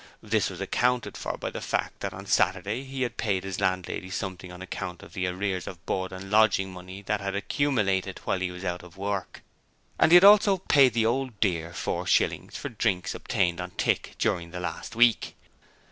This was accounted for by the fact that on Saturday he had paid his landlady something on account of the arrears of board and lodging money that had accumulated while he was out of work; and he had also paid the Old Dear four shillings for drinks obtained on tick during the last week.